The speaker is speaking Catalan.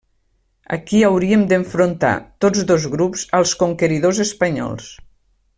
Aquí haurien d'enfrontar, tots dos grups, als conqueridors espanyols.